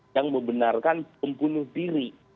yang membenarkan pembunuh diri